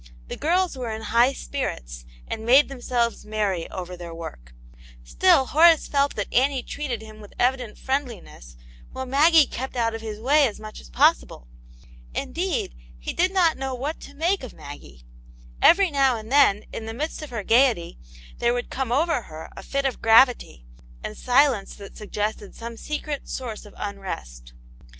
The girls were in high spirits, and made themselves merry over their work : still Horace felt that Annie treated him with evident friendliness, while Maggie kept out of his way as much as possible. Indeed, he did not know what to make of Maggie : every now and then, in the midst of her gaiety, there would come over her a fit of gravity, and silence that suggested some secret source of unrest.